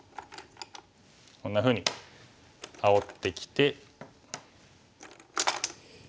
こんなふうにあおってきて。